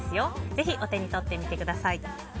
ぜひ、お手に取ってみてください。